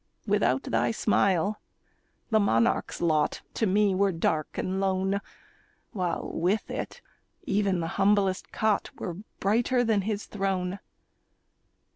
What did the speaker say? Without thy smile, the monarch's lot To me were dark and lone, While, with it, even the humblest cot Were brighter than his throne.